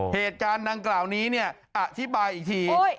เหตุการณ์ดังกล่าวนี้เนี่ยอธิบายอีกที